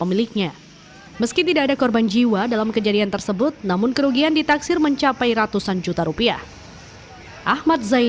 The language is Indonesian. miliknya meski tidak ada korban jiwa dalam kejadian tersebut namun kerugian ditaksir mencapai ratusan juta rupiah